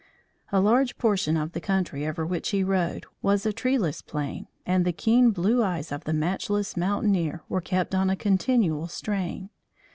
A large portion of the country over which he rode, was a treeless plain and the keen blue eyes of the matchless mountaineer were kept on a continual strain.